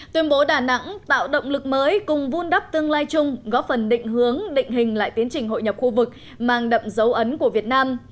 tuyên bố đà nẵng tạo động lực mới cùng vun đắp tương lai chung góp phần định hướng định hình lại tiến trình hội nhập khu vực mang đậm dấu ấn của việt nam